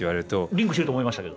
リンクしてると思いましたけど。